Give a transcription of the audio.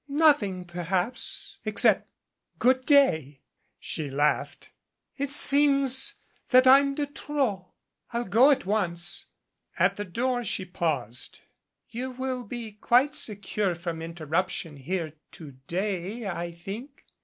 "Nothing, perhaps, except 'good day,' " she laughed. "It seems that I'm de trop. I'll go at once." At the door she paused. "You will be quite secure from interruption here to day, I think.